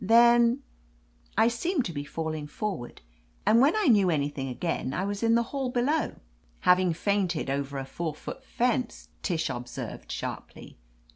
Then — I seemed to be falling forward — ^and when I knew anything again I was in the hall below." "Having fainted over a four^ foot fence!" Tish observed sharply.